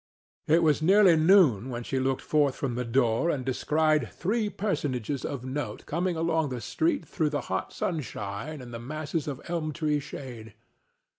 It was nearly noon when she looked forth from the door and descried three personages of note coming along the street through the hot sunshine and the masses of elm tree shade.